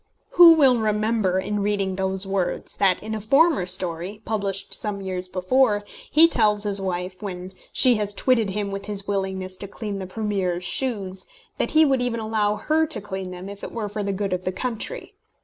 Who will remember in reading those words that, in a former story, published some years before, he tells his wife, when she has twitted him with his willingness to clean the Premier's shoes, that he would even allow her to clean them if it were for the good of the country?